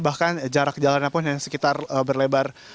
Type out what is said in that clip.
bahkan jarak jalannya pun yang sekitar berlebar